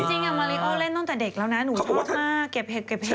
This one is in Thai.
จริงมาริโอเล่นตั้งแต่เด็กแล้วนะหนูชอบมากเก็บเห็ดเก็บเห็ด